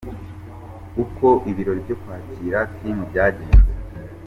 Uko ibirori byo kwakira Kim byagenze.